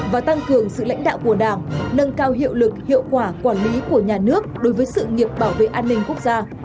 và tăng cường sự lãnh đạo của đảng nâng cao hiệu lực hiệu quả quản lý của nhà nước đối với sự nghiệp bảo vệ an ninh quốc gia